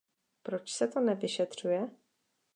Proč se to nevyšetřuje?